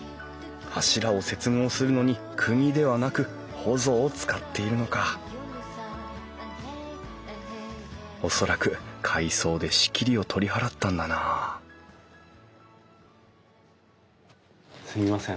柱を接合するのにくぎではなくほぞを使っているのか恐らく改装で仕切りを取り払ったんだなすいません。